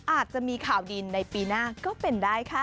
อาจจะมีข่าวดีในปีหน้าก็เป็นได้ค่ะ